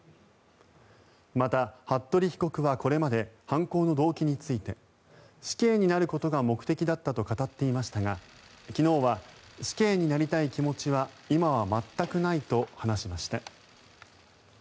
また、服部被告はこれまで犯行の動機について死刑になることが目的だったと語っていましたが昨日は、死刑になりたい気持ちは今は全くないと話しました。